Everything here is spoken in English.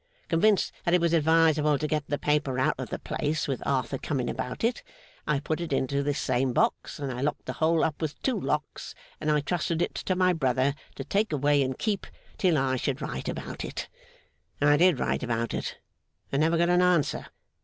Convinced that it was advisable to get the paper out of the place, with Arthur coming about it, I put it into this same box, and I locked the whole up with two locks, and I trusted it to my brother to take away and keep, till I should write about it. I did write about it, and never got an answer.